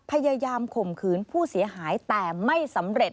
ข่มขืนผู้เสียหายแต่ไม่สำเร็จ